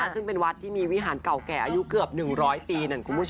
ซึ่งเป็นวัดที่มีวิหารเก่าแก่อายุเกือบ๑๐๐ปี